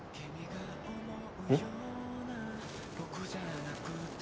えっ？